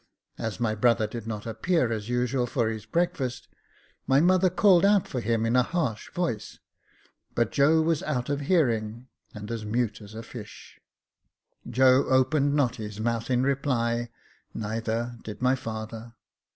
As my brother did not appear as usual for his breakfast, my Jacob Faithful 5 mother called out for him in a harsh voice ; but Joe was out of hearing, and as mute as a fish. Joe opened not his mouth in reply, neither did my father.